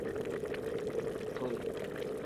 Fole.